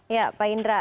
ya pak indra